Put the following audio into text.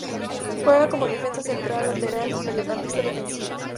Juega como defensa central, lateral y mediocampista defensivo.